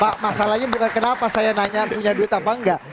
pak masalahnya benar kenapa saya nanya punya duit apa enggak